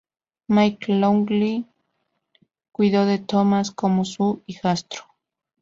McLoughlin cuidó de Thomas como su hijastro.